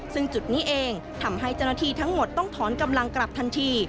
ซึ่งจุดนี้เองทำให้เจ้าหน้าที่ทั้งหมดต้องถอนกำลังกลับทันที